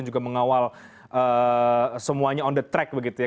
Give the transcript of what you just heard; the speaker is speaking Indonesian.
juga mengawal semuanya on the track begitu ya